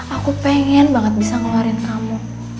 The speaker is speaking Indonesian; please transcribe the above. aku pengen banget bisa ngeluarin kamu